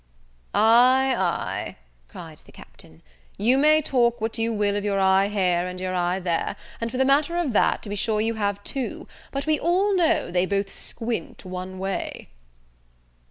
"Aye, Aye," cried the Captain, "you may talk what you will of your eye here, and your eye there, and, for the matter of that, to be sure you have two, but we all know they both squint one way."